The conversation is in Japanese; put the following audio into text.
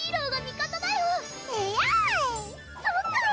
そっかぁ